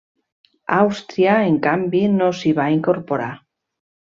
Àustria en canvi no s'hi va incorporar.